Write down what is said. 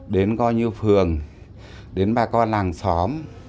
đến coi như phường đến bà con làng xóm